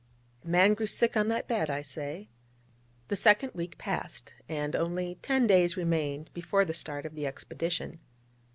The man grew sick on that bed, I say. The second week passed, and only ten days remained before the start of the expedition.